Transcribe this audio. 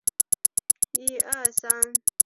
因应外在经济的变化和风险